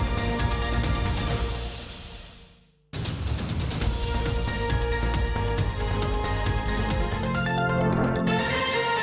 โปรดติดตามตอนต่อไป